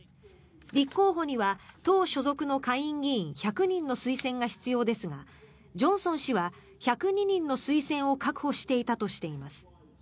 立候補には党所属の下院議員１００人の推薦が必要ですがジョンソン氏は１０２人の推薦を確保していたとしています。